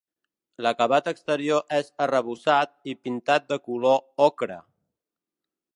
L'acabat exterior és arrebossat i pintat de color ocre.